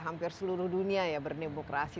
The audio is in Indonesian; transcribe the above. hampir seluruh dunia ya berdemokrasi